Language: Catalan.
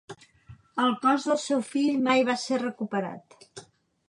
El cos del seu fill mai va ser recuperat.